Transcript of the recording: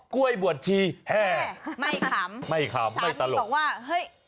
กล้วยบวชชีไม่คล้ำไม่คล้ำไม่ตลกสามีบอกว่าเฮ้ย